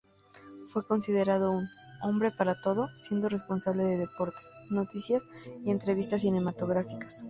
Fue considerado un „hombre para todo“, siendo responsable de deportes, noticias y entrevistas cinematográficas.